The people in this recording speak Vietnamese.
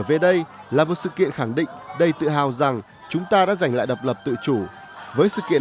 về đây là một sự kiện khẳng định đầy tự hào rằng chúng ta đã giành lại độc lập tự chủ với sự kiện